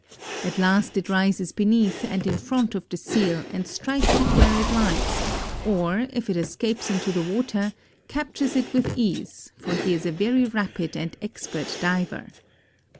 At last it rises beneath and in front of the seal and strikes it where it lies, or if it escapes into the water, captures it with ease, for he is a very rapid and expert diver.